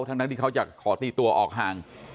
ทั้งที่เขาจะขอตีตัวออกห่าง